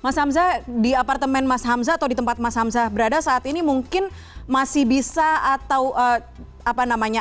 mas hamzah di apartemen mas hamzah atau di tempat mas hamzah berada saat ini mungkin masih bisa atau apa namanya